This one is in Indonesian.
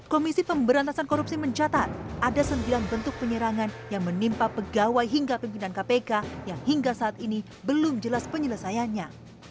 komisi pemberantasan korupsi mencatat ada sembilan bentuk penyerangan yang menimpa pegawai hingga pimpinan kpk yang hingga saat ini belum jelas penyelesaiannya